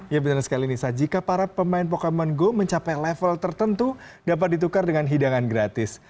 ya benar sekali nisa jika para pemain pokemon go mencapai level tertentu dapat ditukar dengan hidangan gratis